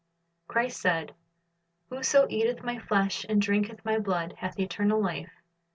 Christ said, "Whoso eateth My flesh, and drinketh My blood, hath eternal life.